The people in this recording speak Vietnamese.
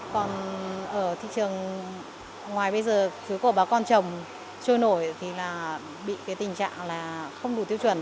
còn ở thị trường ngoài bây giờ xứ của bà con trồng trôi nổi thì là bị cái tình trạng là không đủ tiêu chuẩn